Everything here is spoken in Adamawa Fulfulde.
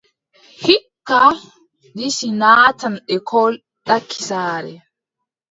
Hikka, Disi naatan lekkol ɗaki saare.